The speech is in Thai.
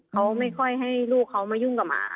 เขาไม่ค่อยให้ลูกเขามายุ่งกับหมา